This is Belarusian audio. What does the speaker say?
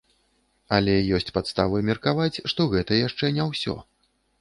Але ёсць падставы меркаваць, што гэта яшчэ не ўсё.